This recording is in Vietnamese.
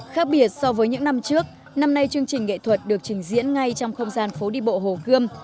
khác biệt so với những năm trước năm nay chương trình nghệ thuật được trình diễn ngay trong không gian phố đi bộ hồ gươm